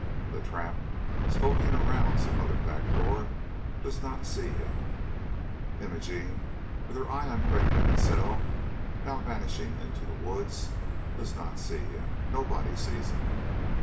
The tramp, skulking round some other back door, does not see him; Imogene, with her eye on Craik Mansell, now vanishing into the woods, does not see him; nobody sees him.